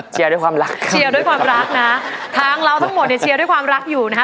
ด้วยความรักเชียร์ด้วยความรักนะทางเราทั้งหมดเนี่ยเชียร์ด้วยความรักอยู่นะคะ